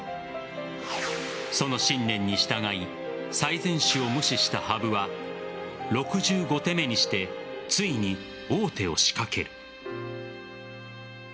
その信念に従い最善手を無視した羽生は６５手目にしてついに王手を仕掛ける。